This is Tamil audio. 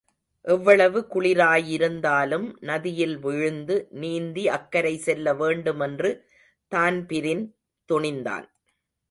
எவ்வளவு குளிராயிருந்தாலும் நதியில் விழுந்து நீந்தி அக்கரை செல்லவேண்டுமென்று தான்பிரின் துணிந்தான்.